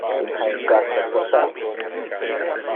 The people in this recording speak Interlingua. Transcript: Il ha un carta postal ci.